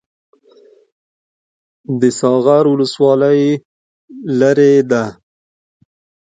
د ساغر ولسوالۍ لیرې ده